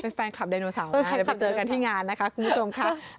เป็นแฟนคลับไดโนเสาร์เดี๋ยวไปเจอกันที่งานนะคะคุณผู้ชมค่ะ